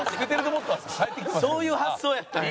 そういう発想やったんや。